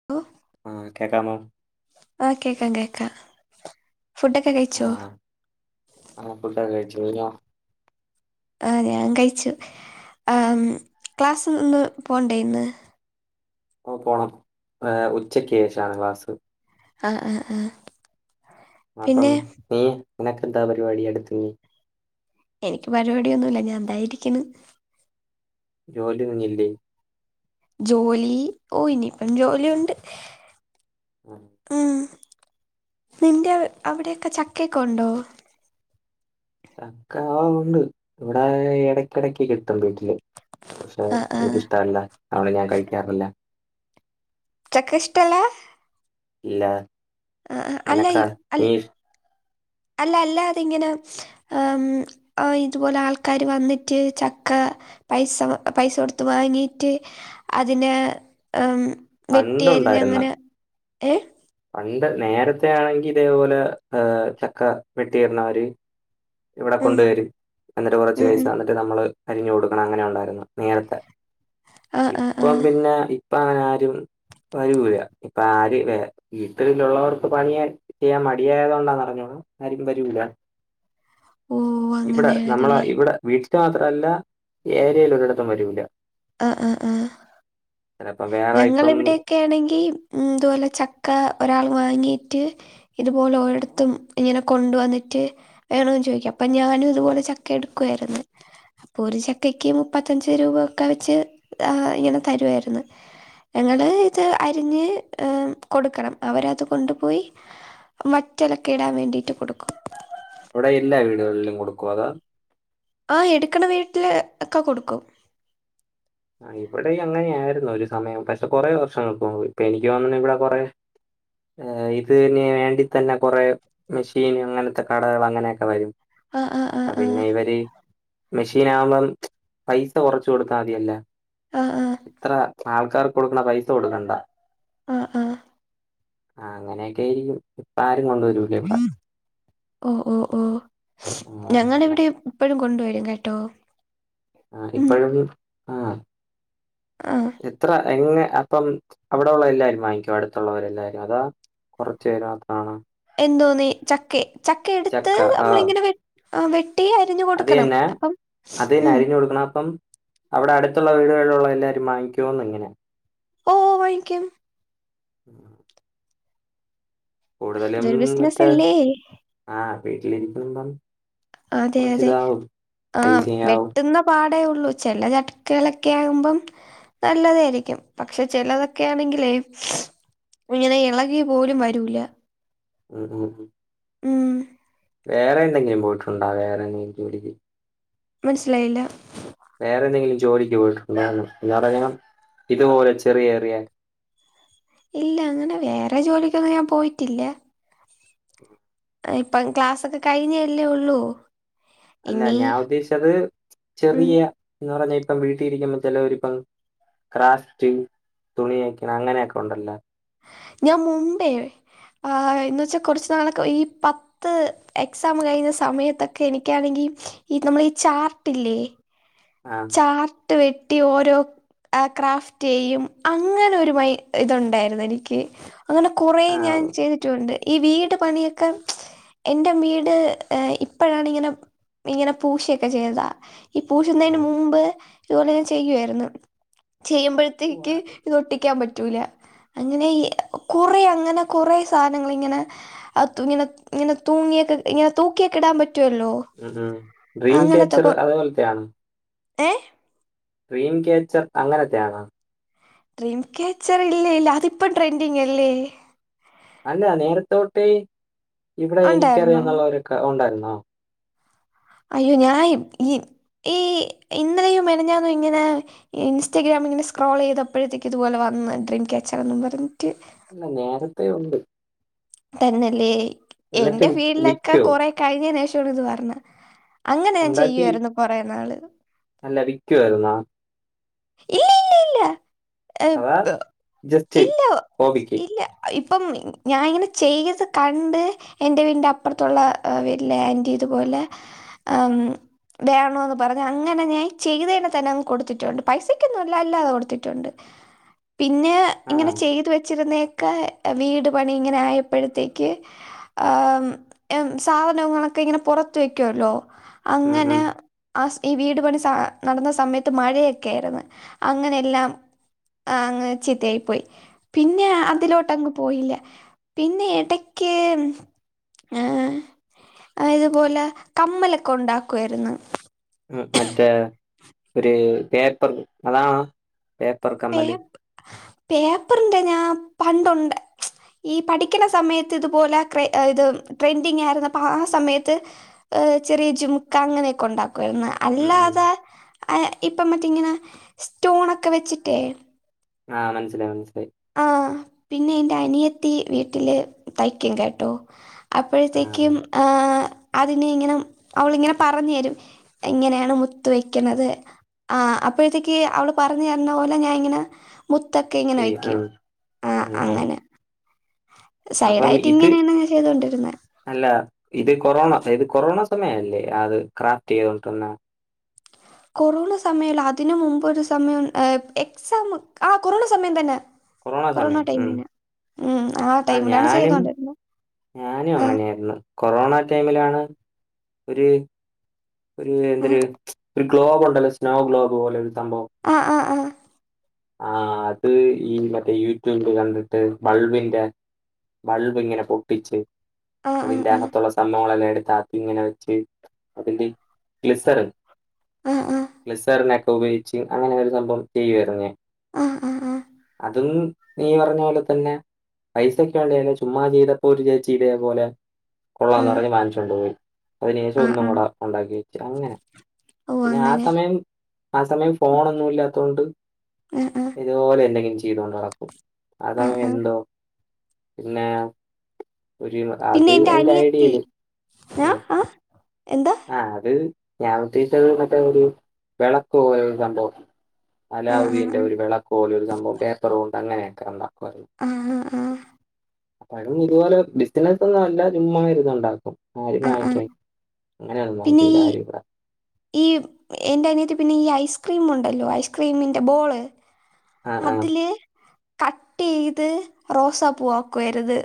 [unintelligible] ആഹ് കേൾക്കാമോ ആഹ് കേക്കാം കേക്കാം ഫുഡൊക്കെ കഴിച്ചോ ആഹ് ആഹ് ഫുഡൊക്കെ കഴിച്ചു കഴിഞ്ഞോ ആഹ് ഞാൻ കഴിച്ചു ആഹ് ക്ലാസിന് ഇന്ന് പോണ്ടേ ഇന്ന് പോണം ഏഹ് ഉച്ചക്ക് ശേഷാണ് ക്ലാസ് ആഹ് ആഹ് ആഹ് അപ്പം നീ നിനക്ക് എന്താ പരിപാടി അടുത്തത് എനിക്ക് പരിപാടിയൊന്നുമില്ല ഞാൻ തായിരിക്കുന്നു ജോലിയൊന്നും ഇല്ലേ ജോലി ഓ ഇനി ഇപ്പം ജോലിയുണ്ട് അഹ് ഉം. നിന്റെ വ് അവ്ടെ യൊക്കെ ചക്കക്കെ ഉണ്ടോ? ചക്ക ആഹ് ഉണ്ട്. ഇവടെ എടക്കിടക്ക് കിട്ടും വീട്ട്ല്. പക്ഷെ ആ ആ ഇൻക്കിഷ്ടല്ല. അതോണ്ട് ഞാൻ കഴിക്കാറില്ല. ചക്ക ഇഷ്ടല്ലാ ഇല്ലാ ആഹ് ആഹ് അല്ല ഇ അൽ അല്ല അല്ലാതെ ഇങ്ങനെ ആഹ് മ് ആഓയ് ഇത്പോലെ ആൾക്കാര് വന്നിട്ട് ചക്കാ പൈസ മ പൈസ കൊട്ത്ത് വാങ്ങീയിട്ട് അതിനെ ഉം വെട്ടി അരിഞ്ഞ് പണ്ടുണ്ടായിരുന്ന അങ്ങനെ ഏഹ് പണ്ട് നേരത്തെ ആണെങ്കി ഇതേപോലെ ഏഹ് ചക്ക വെട്ടി ഇട്ണോര് ഇവ്ടെ ഉം കൊണ്ട് വരും. എന്നിട്ട് കുറച്ച് ഉം പൈസ ഉം എന്ന്ട്ട് നമ്മള് അരിഞ്ഞ് കൊടുക്കണം അങ്ങനെ ഉണ്ടായിരുന്നു നേരത്തെ. ആഹ് ആഹ് ഇപ്പം ആഹ് പിന്നെ ഇപ്പഅങ്ങനെ ആരും വരൂല. ഇപ്പം ആര് വെരാ വീട്ടില് ലുള്ളവർക്ക് പണിയ ചെയ്യാൻ മടിയായത്കൊണ്ടാന്നറിഞ്ഞൂടാ ആരും വരൂല. ഓ ഇവ്ടെ നമ്മളെ അങ്ങനെയാണല്ലേ ഇവ്ടെ വീട്ട്ത്തെ മാത്രല്ല ഏര്യയില് ഒരിടത്തും വരൂല. ആഹ് ആഹ് ആഹ് ചിലപ്പം വേറെ ഞങ്ങള് ഇപ്പം ഇവിടെക്കെ ആണെങ്കീ മ് ത്പോലെ ചക്ക ഒരാള് വാങ്ങിട്ട് ഇതുപോലെ ഒരിടത്തും ഇങ്ങനെ കൊണ്ട് വന്നിട്ട് വേണോന്ന് ചോദിക്കാം. അപ്പൊ ഞാനും തുപോലെ ചക്ക എടുക്കുആയിരുന്നു. ഒരു ചക്കയ്ക്ക് മുപ്പത്തഞ്ച് രൂപ ഒക്കെ വെച്ച് ആഹ് ഇങ്ങനെ തരുവായിരുന്നു. ഞങ്ങള് ഇത് അരിഞ്ഞ് ഏഹ് കൊടുക്കണം. അവരത് കൊണ്ടുപോയി വറ്റെലൊക്കെ ഇടാം വേണ്ടിട്ട് കൊടുക്കും. അവ്ടെ എല്ലാ വീടുകളിലും കൊടുക്കോ അതോ ആഹ് എട്ക്കണ വീട്ട്‌ല് ഒക്കെ കൊടുക്കും. ആഹ് ഇവടെയും അങ്ങനെയാ യിരുന്നു ഒരു സമയം. പക്ഷെ കൊറേ വർഷങ്ങൾക്ക് മുൻപ് ഇപ്പൊ എനിക്ക് തോന്നുന്നെ ഇവ്ടെ കൊറേ ഏഹ് ഇത് ന് വേണ്ടി തന്നെ കൊറേ മെഷീന് അങ്ങൻത്തെ കടകള് അങ്ങനെയൊക്കെ വരും. ആഹ് ആഹ് അപ്പൊ ആഹ് പിന്നെ ആഹ് ഇവര് മെഷീനാ കുമ്പം പൈസ കൊറച്ച് കൊടുത്താ മതിയല്ലാ ആഹ് ആഹ് ഇത്ര ആൾക്കാർക്ക് കൊട്ക്ക്ണ പൈസ കൊട്ക്കണ്ടാ. ആഹ് ആഹ് ആഹ് അങ്ങനെയൊക്കെയായിരിക്കും പ്പാ ആരും കൊണ്ട് വരൂ ഓഹ് ഓഹ് ഓഹ് ആ, ഞങ്ങടെ അങ്ങനെ ഇവ്ടെ യും പ്പഴും കൊണ്ട് വരും കേട്ടോ ആഹ് ഉം. ഇപ്പെഴും ആഹ് ആഹ്. എത്ര എങ്ങെ അപ്പം അവ്ടോള്ള എല്ലാരും വാങ്ങിക്കോ അട്ത്തുള്ളവരെല്ലാവാരും അതാ കൊറച്ച പേര് മാത്രമാണോ? എന്തോന്ന് ചക്കെ ചക്കെ എട്ത്ത് ചക്ക ആ അമ്മളിങ്ങനെ വെ ആഹ് വെ അത് എന്നെ. അത് എന്നെ ഉം. അരിഞ്ഞു കൊടുക്കണം അപ്പം അവ്ടെ അട്ത്തുള്ള വീടുകളിലുള്ള എല്ലാവരും വാങ്ങിക്കോന്ന് ഇങ്ങനെ ഓഹ് വാങ്ങിക്കും ഉം കൂടുതലും ഇതൊരു ഇങ്ങൻ ത്തെ ബിസിനസ്സല്ലേ? ആഹ് വീട്ടിലിരിക്കുമ്പം അതെ കുറച്ച് അതെ ഇതാവും ആഹ് പൈസയാവും വെട്ട്ന്ന പാടേ ഉള്ളൂ. ചെല ചക്കെ കളൊക്കെ ആകുമ്പം നല്ലതായിരിക്കും. പക്ഷെ ചെലതൊക്കെയാണെങ്കിലെ വീളെ ഇളകി പോലും വരൂല ഉം ഉംഉം ഉം വേറെവെടടേങ്കിലും പോയിട്ടുണ്ടാ വേറെ എന്തെങ്കിലും ജോലിക്ക് മനസ്സിലായില്ല വേറെ എന്തെങ്കിലും ജോലിക്ക് പോയിട്ടുണ്ടോന്ന് എന്ന് പറഞ്ഞ ഇതുപോലെ ചെറിയെറിയ ഇല്ല അങ്ങനെ വേറെ ജോലിക്കൊന്നും ഞാൻ പോയിട്ടില്ല ഉം ദാ ഇപ്പം ക്ലാസ്സൊക്കെ കഴിഞ്ഞല്ലേ ഉള്ളൂ അല്ല ഇനി ഞാൻ ഉദ്ദേശിച്ചത് ഉം ചെറിയ എന്ന് പറഞ്ഞാ ഇപ്പം വീട്ടിലിരിക്കുന്ന ചെലൊരിപ്പം ക്രാഫ്റ്റ് തുണി തയ്ക്കിണ അങ്ങനെയൊക്കെ ഒണ്ടല്ലോ ഞാൻ മുമ്പേ ആ എന്ന് വെച്ചാ കുറച്ച് നാളൊക്കെ ഈ പത്ത് ത്ത് എക്സാം കഴിഞ്ഞ സമയത്തൊക്കെ എനിക്കാണെങ്കി ഈ നമ്മളെ ഈ ചാർട്ടില്ലേ? ആ ആർട്ട് വെട്ടി ഓരോ ആ ക്രാഫ്റ്റെയ്യും അങ്ങനെ ഒരു മൈ ഇതുണ്ടായിരുന്നു എനിക്ക്. അങ്ങനെ കൊറേ ആ ഞാൻ ചെയ്ത് ട്ടുണ്ട് ഈ വീട് പണിയൊക്കെ എൻ്റെ വീട് ഇപ്പോഴാണിങ്ങനെ ഇങ്ങനെ പൂശിയൊക്കെ ചെയ്തതാ ഈ പൂശുന്നതിന് ആ മുമ്പ് ഇതുപോലെ ഞാൻ ചെയ്യുവാരുന്നു ചെയ്യുമ്പോഴത്തേക്ക് ഇതൊട്ടിക്കാൻ പറ്റൂല അങ്ങനെ ഈ കൊറ അങ്ങനെ കൊറ സാനങ്ങള് ഇങ്ങനെ അ തു ഇങ്ങനെ ഇങ്ങനെ തൂങ്ങിയൊക്കെ ഇങ്ങനെ തൂക്കിയൊക്കെ ഇടാൻ പറ്റുവല്ലോ ഉം ഉം ഡ്രീം കാച്ചർ അതേപോലെത്തെയാണ് ഏ ട്രീം കേച്ചർ അങ്ങനത്തെയാണോ? ഡ്രീം ക്യാച്ചർ ഇല്ലേ ഇല്ല അതിപ്പം ട്രെൻഡിങ് അല്ലേ അല്ല നേരത്തോട്ടേ ഇവിടെ ഉണ്ടായിരുന്നു എനിക്കറിയാന്നുള്ള ഒരു ഉണ്ടായിരുന്നോ? അയ്യോ ഞൻ ഇ ഈ ഇന്നലെയും മെനഞ്ഞാന്നും ഇങ്ങനെ ഇൻസ്റ്റാഗ്രാം ഇങ്ങനെ സ്ക്രോൾ ചെയ്തയ പ്പോഴത്തേക്ക് ഇതുപലെ വന്ന് ഡ്രീംക്യാച്ചറെന്നും പറഞ്ഞിട്ട് അല്ല നേരത്തെേ ഒണ്ട് തെന്നെല്ലേ എന്നിട്ട് എന്റെ വി- ഫീൽഡിലൊക്കെ വിക്കോ കൊറെ കഴിഞ്ഞേന് ശേഷമാണ് ഇത് പറഞ്ഞെ അങ്ങനെ ഞാൻ ഉണ്ടാക്കി ചെയ്യുവാരുന്നു കൊറേ നാള് ക്കുവായിരുന്നോ? ഇല്ലില്ലില്ല ഹെ അതാ പ്പൊ ജസ്റ്റ് ഇല്ല ഹോബിക്ക് ഇല്ല ഇപ്പം ഞാനിങ്ങനെ ചെയ്ത് കണ്ട് എന്റെ വീടിന്റെ അപ്പുറത്തുള്ള വീട്ടിലെ ആന്റി ഇതുപോലെ ആം വേണോന്ന് പറഞ്ഞ് അങ്ങനെ ഞാൻ ചെയ്തേനെ തന്നെ അങ്ങ് കൊടുത്തിട്ടുണ്ട് പൈസക്കൊന്നുഅല്ല അല്ലാതെ കൊടുത്തിട്ടുണ്ട് പിന്നെ ആ ഇങ്ങനെ ചെയ്ത് വെച്ചിരുന്നേ ക്കെ പ വീട് പണി ഇങ്ങനെ ആയപ്പോഴത്തേക്ക് ആം എ സാധനങ്ങളൊക്കെ ഇങ്ങനെ പൊറത്ത് വെക്കോല്ലോ ഉം ഉം അങ്ങനെ ഉം. ആസ് ഈ വീട് പണി സ നടന്ന സമയത്ത് മഴയെ ക്കേരുന്നു അങ്ങനെല്ലാം ആ അങ്ങനെ ചിത്തയായി പോയി പിന്നെ അതിലോട്ടങ്ങ് പോയില്ല. പിന്നെ എടക്ക് ഏ അത് ഇതുപോലെ കമ്മലൊക്കെ ഒണ്ടാക്കുവാരുന്നു. ഉം മറ്റേ ഒരു പേപ്പർ അതാണ് പേപ്പ്‌ പേപ്പറിന്റെ ഞാ പണ്ടുണ്ട് ഈ പഠിക്ക്‌ണ സമയത്ത് ഇതുപോലെ ക് ഇത് ട്രെൻഡിങ് ആയിരുന്നപ്പപ്പോ ആ സമയത്ത്. ഏഹ് ചെറിയജുമുക്ക അങ്ങനെയൊക്കെ ഉണ്ടാക്കൊയിരുന്നു ഉം ഉം. അല്ലാതെ ഇപ്പംമറ്റെഇങ്ങനെ സ്റ്റോണൊക്കെവെച്ചിട്ടേ ആഹ് മൻസ്സിലായി മൻസ്സിലായി ആഹ് പിന്നേയ് എന്റെഅനിയത്തി വീട്ടില് തയ്ക്ക്യുംകേട്ടോ ആഹ് അപ്പഴത്തേക്കും ആഹ് അതിനെഇങ്ങനെ അവളിങ്ങനെപറഞ്ഞരും എങ്ങനേണ് മുത്ത് വെക്കണത് ആ അപ്പോഴത്തേക്ക് അവള് പറഞ്ഞര്ണപോലെ ഞാഇങ്ങനെ മുത്തൊക്കെഇങ്ങനെവെക്ക്യും അഹ്ആഹ് ഇത് സൈഡായിട്ട്ങ്ങനേണ് ചെയ്തോണ്ടിരുന്നെ അല്ല ഇത്കൊറോണ ഇത്കൊറോണ സമയല്ലേ അത്ക്രാഫ്റ്റ്ചെയ്തോണ്ട്ന്ന കൊറോണസമയല്ല അതിന് മുമ്പോരു സമയം എക്സാംമൊക്ക ആ കൊറോണസമയംതന്നെ കൊറോണ സമയം. ഉം. കൊറോണടൈമില്ലെന്നേ ഉം ആ ആഹ് ടൈമിലാണ് ഞാനും ചെയ്തോണ്ടിരുന്നു ഞാനും അങ്ങനെയായിരുന്നു കൊറോണ ടൈമിലാണ് ഒര് ഒരു ആഹ് എന്തര് ഒര് ഗ്ലോബുണ്ടല്ലേ സ്നോഗ്ലോബ്പോലെ ഒരുസംഭവം ആഹ് ആഹ് അഹ് ആഹ് അത്ഈമറ്റേ യൂറ്റൂബില്കണ്ട്ട്ട് ബൾബിന്റെ ബൾബ് ഇങ്ങനെപൊട്ടിച്ച് ആഹ് ആഹ് അതിന്റെ അക ആഹ് ത്തുള്ളസമ്മോളൊല്ലാംഎടുത്ത്അകത് ഇങ്ങനെവെച്ച് അതിന്റെഗ്ലിസറ് ആഹ് ആഹ് ലിസർനൊക്ക ഉപയോഗിച്ചിങ് അങ്ങനെ ഒരുസംഭവം ചെയ്യായിരുന്നേ ഞാൻ ആഹആഹ്ആഹ് അതും നീപറഞ്ഞപോലെതന്നെ പൈസക്കയാളിലെ ചുമ്മാചെയ്തപ്പോ ഒരുചേച്ചിതേപോലെ ആ കൊള്ളാന്നറഞ്ഞ് വാങ്ങിച്ചോണ്ടുപോയി അയിന് ശേഷം ആ ഒന്നും ആ അങ്ങോട്ട് ആഹ് ഉണ്ടാക്കിവെച്ച് അങ്ങനെ ഓ അങ്ങനെ പിന്നെആസമയം ആസമയം ഫോനൊന്നുഇല്ലാത്തൊണ്ട് ആ ആ ഇതുപോലെ എന്തെങ്കിലും ചെയ്തോണ്ട് നടക്കും ആ ആ ആസമയംഎന്തോ പിന്നേ ഒരീമ പിന്നെ എന്റെ അനിയത്തി ന ഉം. ആഹ് എന്താ അത് ഞാൻഉദ്ദേശിച്ചത് മറ്റേഒരു വെളക്ക്പോലൊരുസംഭവം ആ ആ അലാവുദീന്റെ ആ ഒരുവിളക്കൊലൊര് സംഭവം പേപ്പറോൺത്തങ്ങനെ കണ്ടപറിം ആഹ് ആഹ് ഫനുംഇത്പോലെ ബിസ്റ്റ്ണസ് ഒന്നും അല്ല ചുമ്മയിരുന്നുണ്ടാക്കും ആര് ആ ആ വാങ്ങിക്ക്യാൻ പിന്നെ അങ്ങനെയൊന്നുവങ്ങിക്ക്യൂല ഈ ആരിബടെ [unintelligible] ഈ എന്റെഅനിയത്തി പിന്നെ ഈ ഐസ്ക്രീമുണ്ടല്ലോ ഐസ്ക്രീമിൻ്റെ ബോള് ആഹ് ആഹ്. അതില് കട്ടെയ്ത് റോസപൂവാക്കരുത്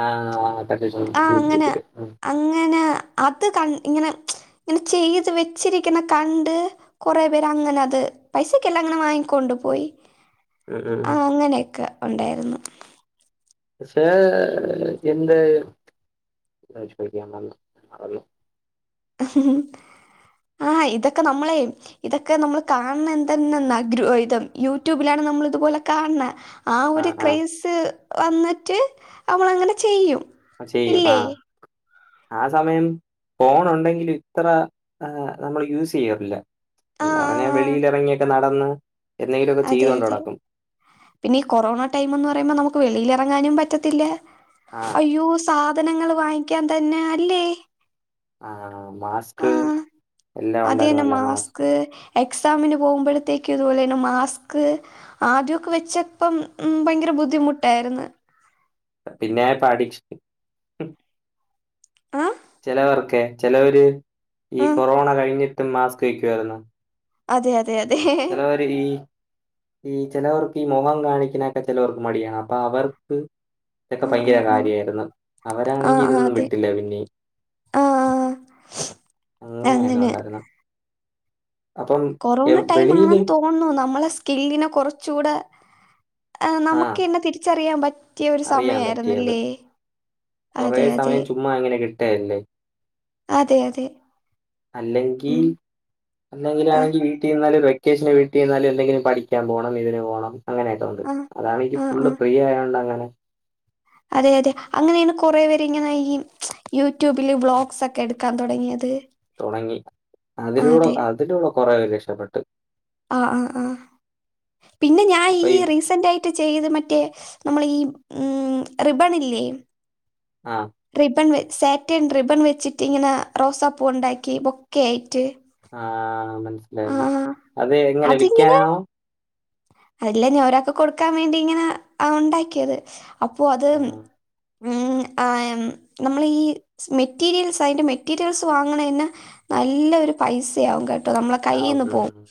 ആഹ് അ ആഹ്അങ്ങനെ അങ്ങനെ അത് ക ഇങ്ങനെ ഇങ്ങനെചെയ്ത് വെച്ചിരിക്ക്‌ന്നകണ്ട് കുറെ പേര്അങ്ങനെഅത് പൈസക്കെല്ലാം അങ്ങനെവാങ്ങിക്കൊണ്ട്പോയി ഉം ഉം ഉം. ആഹ് അങ്ങനെയൊക്കെ ഉണ്ടായിരുന്നു ക്ഷേ എന്ത്‌ അഹ്ചോയ്ക്യാമറന്നു ആഹ് ഇതൊക്കെന്നമ്മളേ ഇതൊക്കെനമ്മള്കാൺണേ എന്തന്നന്നാ ദ്രുവവൈതം യൂറ്റൂബിലാണ്നമ്മളിതുപോലെകാൺണേ ആ ഒര് ആഹ് ആഹ്. ക്രൈസ് വന്നിട്ട് അവളങ്ങനെചെയ്യും ചെയ്യും ആഹ് ആസമയംഫോൺഉണ്ടെങ്കിലും ഇത്ര നമ്മള് യൂസെയ്യാറില്ല ആഹ് ന്നറഞ്ഞ ആഹ് വെളീലെറങ്ങിട്ട് നടന്ന് എന്തെങ്കിലുമൊക്കെ അതെ ചെയ്തോണ്ട് അതെ നടക്കും. പിന്നെ ഈ കൊറോണടൈമന്ന് പറയുമ്പോ നമുക്ക് വെളിലെറങ്ങാനുംപറ്റത്തില്ല ആഹ് അയ്യോസ് സാധനങ്ങൾ വാങ്ങിക്കാൻ തന്നെ അല്ലേ ആ മാസ്ക് ആഹ് എല്ലാം അത് തന്നെ ഉണ്ടായിരുന്നല്ലോ മാസ്ക് [inaudible] എക്സാമിന് പോകുമ്പോഴത്തേക്ക് ഇതുപോലെ തന്നെ മാസ് ക്ക് ആദ്യമൊക്കെ വെച്ചപ്പം ഉം ഭയങ്കര ബുദ്ധിമുട്ടായിരുന്നു പിന്നെ പഠിച് ആ ചിലവർക്കെ ചിലവര് ഈ ആഹ് കൊറോണ കഴിഞ്ഞിട്ടും മാസ്ക് വയ്ക്കുവായിരുന്നു അതെ അതെ അതെ ഈ ഈ ചിലവർക്ക് ഈ മൊഖം കാണിക്കാനൊക്കെ ചിലവർക്ക് മടിയാണ് അപ്പൊ അവർ ഇതൊക്കെ ആഹ് പയ്യെ ആഹ് ആഹ് കാര്യായിരുന്നു. ആഹ് അവരാണെങ്കിൽ ആഹ് ഇതൊന്നും അതെ വെട്ടില്ല പിന്നെ ആഹ് ആഹ് അങ്ങനെയായിരുന്നു അങ്ങനെ ഉണ്ടായിരുന്നെ അപ്പം കൊറോണ ടൈം വെളിയില് ആണെന്ന് തോന്നുന്നു നമ്മളെ സ്കില്ലിനെ കുറച്ചൂടെ ആ നമുക്കെന്നെ തിരിച്ചറിയാൻ പറ്റിയ ഒരു അറിയാൻ പറ്റിയത്. സമയയാന്നില്ലേ കൊറേ സമയം ഉമ്മ അങ്ങെനെ തന്നെ അതെ അതെ അല്ലെങ്കി ഉം ആഹ് അല്ലെങ്കിലാണെങ്കിൽ വീട്ടിൽ നിന്നാലും വെ വെക്കേഷന് വീട്ടിനിന്നാല് എ ന്തങ്കിലും പഠിക്കാൻ പോണം ഇതിന് പോണം അങ്ങനെയായിട്ട് ആഹ് അതാണ് എനിക്ക് ആഹ് ഫുള്ള് ആഹ് ഫ്രീ ആയോണ്ട് അങ്ങനെ അതെ അതെ അങ്ങനെയാണ് കുറേ പേർ ഇങ്ങനെ ഈ യൂട്യൂബില് വ്ളോഗ്സ് ഒക്കെ എടുക്കാൻ തുടങ്ങിയത് തൊടങ്ങി ആ, അതിലൂടെ അതെ അതിലൂടെ കൊറേ പേര് രക്ഷപ്പെട്ട് ആഹ് ആഹ് ആഹ് പിന്നെ ഞാൻ ഈ റീസന്റ് ആയി ട്ട്ചെയ്ത് മറ്റേ നമ്മള് ഈ റിബ്ബണ് ഇല്ലേ ആഹ് റിബൺ സാറ്റേൺ റിബൺ വെച്ചിട്ട് ഇങ്ങനെ റോസപ്പൂ ഇണ്ടാക്കി ബൊക്കെ ആയിട്ട് ആഹ് ആ മനസിലായി അത് എങ്ങനെ അതിങ്ങനെ വിൽക്കാനാണോ അല്ല ഞാ ഒരാൾക്ക് കൊടുക്കാൻ വേണ്ടി ഇങ്ങനെ ഉണ്ടാക്കിയത് അപ്പൊ അത് ആ ഉം ആ ഉംനമ്മള് ഈ മെറ്റീരിയൽസ് അതിറെ മെറ്റീരിയൽസ് വാങ്ങണയിന്ന് നല്ലൊരു പൈസയാകും കേട്ടോ നമ്മളെ ആ, കയ്യീന്ന് പോവും ഉം.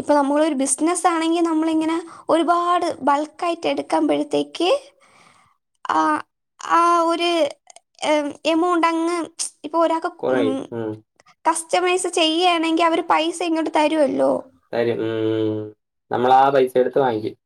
ഇപ്പൊ നമ്മളൊരു ബിസിനസ്‌ ആണെങ്കിൽ നമ്മളിങ്ങനെ ഒരുപാട് ബൾക്കാ ആയിട്ട് എടുക്കുമ്പഴത്തേക്ക് ആ ആ ഒരു എമൗണ്ട് അങ്ങ് ഇപ്പൊ ഒരാക്ക് ഉം കസ്റ്റമൈസ് ചെയ്യാണെങ്കി അവര് പൈസ ഇങ്ങോട്ട് തരോല്ലോ തരും ഉം നമ്മള് ആ പൈസ എടുത്ത് വാങ്ങിക്കും